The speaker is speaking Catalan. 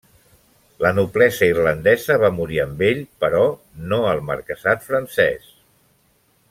La noblesa irlandesa va morir amb ell, però no el marquesat francès.